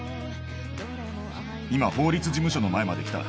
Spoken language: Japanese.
「今法律事務所の前まで来た。